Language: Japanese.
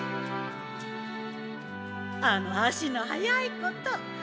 あの足の速いこと。